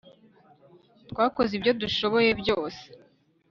twakoze ibyo dushoboye byose